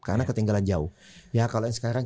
karena ketinggalan jauh ya kalau yang sekarang